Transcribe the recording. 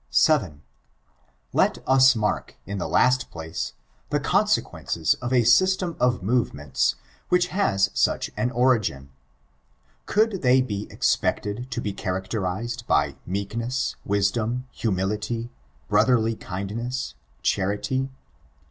7. Let us mark, in the last place, the consequences of a system of movements, which has such an origin. Could they be expected to be characterized by meekness, wisdom, humitity, brotherly kindness, charity?